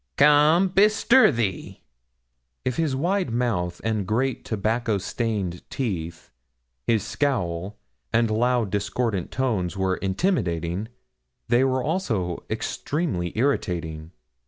Come, bestir thee!' If his wide mouth and great tobacco stained teeth, his scowl, and loud discordant tones were intimidating, they were also extremely irritating.